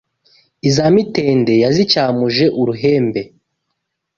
Iza Mitende yazicyamuje uruhembe